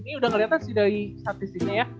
ini udah kelihatan sih dari statistiknya ya